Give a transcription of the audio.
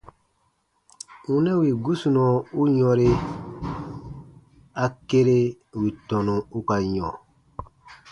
Wunɛ wì gusunɔ u yɔ̃re, a kere wì tɔnu u ka yɔ̃.